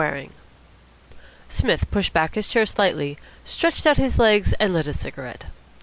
WARING Psmith pushed back his chair slightly, stretched out his legs, and lit a cigarette.